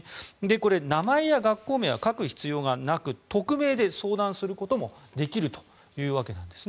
これ、名前や学校名は書く必要がなく匿名で相談することもできるというわけです。